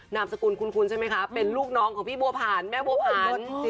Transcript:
นามสกุลคุ้นใช่ไหมคะเป็นลูกน้องของพี่บัวผ่านแม่บัวผัน